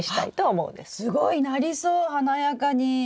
すごいなりそう華やかに。